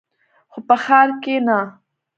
خو په ښار کښې نه.